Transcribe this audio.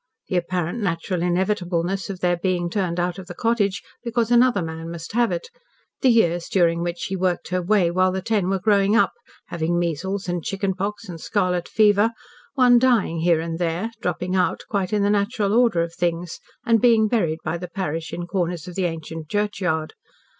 The apparent natural inevitableness of their being turned out of the cottage, because another man must have it; the years during which she worked her way while the ten were growing up, having measles, and chicken pox, and scarlet fever, one dying here and there, dropping out quite in the natural order of things, and being buried by the parish in corners of the ancient church yard.